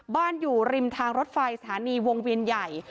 อยู่ริมทางรถไฟสถานีวงเวียนใหญ่